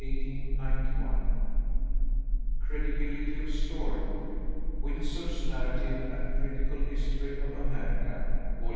_ CREDIBILITY OF STORY Winsor's "Narrative and Critical History of America," Vol.